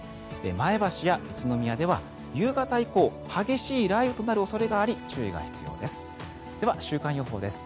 前橋や宇都宮では夕方以降、激しい雷雨となる恐れがあり注意が必要です。